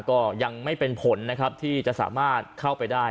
ก็ยังไม่เป็นผลนะครับที่จะสามารถเข้าไปได้